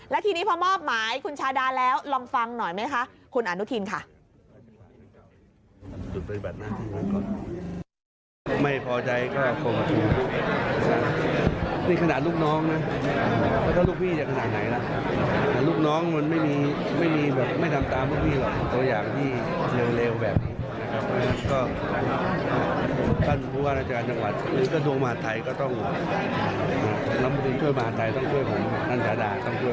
และทีนี้พอมอบหมายคุณชาดาแล้วลองฟังหน่อยไหมคะคุณอนุทินค่ะ